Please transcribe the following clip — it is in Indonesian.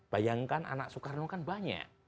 bayangkan anak soekarno kan banyak